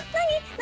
何！？